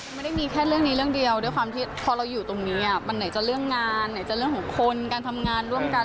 มันไม่ได้มีแค่เรื่องนี้เรื่องเดียวด้วยความที่พอเราอยู่ตรงนี้มันไหนจะเรื่องงานไหนจะเรื่องของคนการทำงานร่วมกัน